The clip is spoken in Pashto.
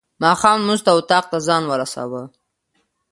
ماښام لمونځ ته اطاق ته ځان ورساوه.